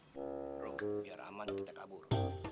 bom biar aman kita kabur